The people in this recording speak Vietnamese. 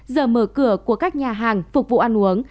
giờ mở cửa của các nhà hàng phục vụ ăn uống